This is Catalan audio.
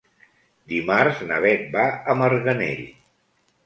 Dimarts na Bet va a Marganell.